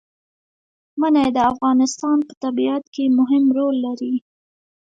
منی د افغانستان په طبیعت کې مهم رول لري.